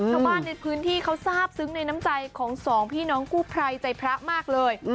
ชาวบ้านในพื้นที่เขาทราบซึ้งในน้ำใจของสองพี่น้องกู้ภัยใจพระมากเลย